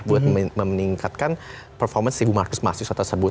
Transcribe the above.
buat meningkatkan performance si bu marcus mas yusa tersebut